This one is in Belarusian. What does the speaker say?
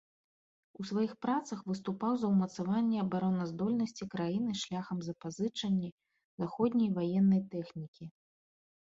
У сваіх працах выступаў за ўмацаванне абараназдольнасці краіны шляхам запазычанні заходняй ваеннай тэхнікі.